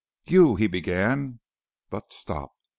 "'You !' he began, but stopped.